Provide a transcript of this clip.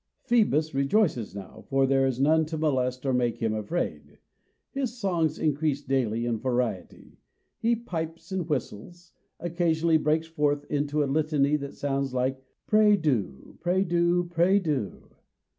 Phoebus rejoices now; for there is none to molest or make him afraid. His songs increase daily in variety. He pipes and whistles; occasionally breaks forth into a litany that sounds like "Pray do, pray do, pray do!"